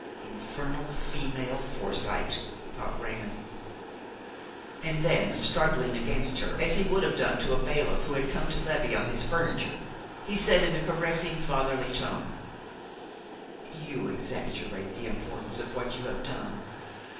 "Infernal female foresight!" thought Raymon. And then, struggling against her as he would have done against a bailiff who has come to levy on his furniture, he said in a caressing fatherly tone: "You exaggerate the importance of what you have done.